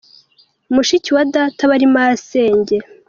Mushiki wa data aba ari masenge.